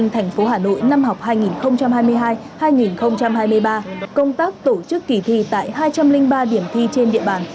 từ năm học hai nghìn hai mươi hai hai nghìn hai mươi ba công tác tổ chức kỳ thi tại hai trăm linh ba điểm thi trên địa bàn